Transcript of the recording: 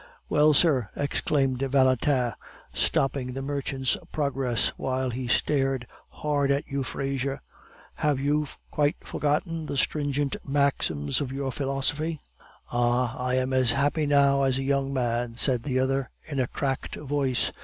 "Well, sir," exclaimed Valentin, stopping the merchant's progress, while he stared hard at Euphrasia, "have you quite forgotten the stringent maxims of your philosophy?" "Ah, I am as happy now as a young man," said the other, in a cracked voice.